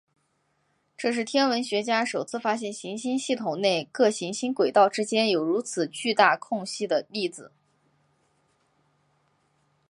这是天文学家首次发现行星系统内各行星轨道之间有如此巨大空隙的例子。